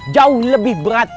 jauh lebih berat